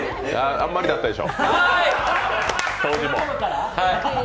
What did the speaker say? あんまりだったでしょ。